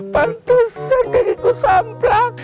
pantusan kaki ku samplak